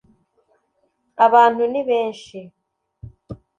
Abantu nibenshi.